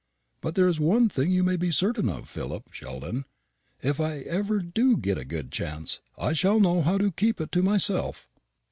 But there is one thing you may be certain of, Philip Sheldon: if ever I do get a good chance, I shall know how to keep it to myself."